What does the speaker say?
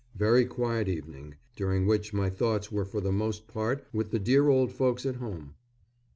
Very quiet evening, during which my thoughts were for the most part with the dear old folks at home....